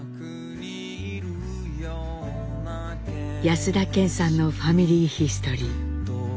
安田顕さんの「ファミリーヒストリー」。